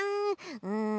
うん。